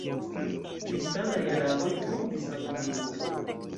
Kristanaj araboj fondis la komunumon.